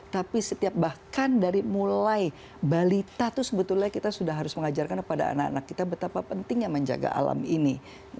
tapi setiap bahkan dari mulai balita itu sebetulnya kita sudah harus mengajarkan kepada anak anak kita betapa pentingnya menjaga alam ini